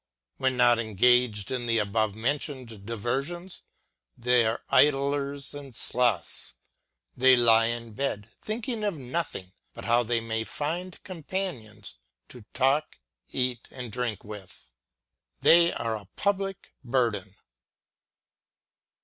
When not engaged in the above named diversions, they are idlers and sloths ; they lie in bed, thinking of nothing but how they may find companions to talk, eat, and drink witli. They are a public burden.